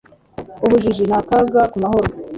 ubujiji ni akaga ku mahoro